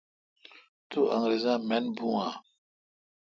تو انگرزا من بھو اؘ?۔